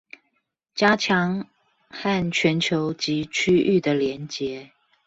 加強和全球及區域的連結